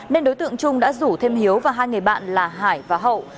nên đối tượng trung đã rủ thêm hiếu và hai người bạn là hải và hậu